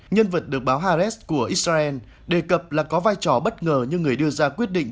nhân vật được báo haares của israel đề cập là có vai trò bất ngờ như người đưa ra quyết định